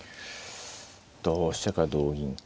同飛車か同銀か。